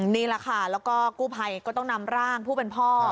นี่แหละค่ะแล้วก็กู้ภัยก็ต้องนำร่างผู้เป็นพ่อ